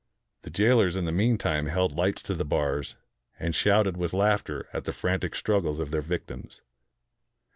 The jailers in the mean time held lights to the bars, and shouted with laughter at the frantic struggles of their victims.